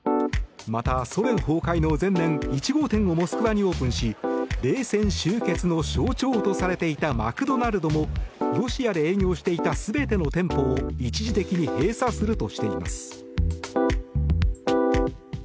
また、ソ連崩壊の前年１号店をモスクワにオープンし冷戦終結の象徴とされていたマクドナルドもロシアで営業していた全ての店舗を一時的に閉鎖するとしています。